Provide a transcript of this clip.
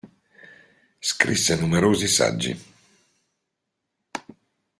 Scrisse numerosi saggi.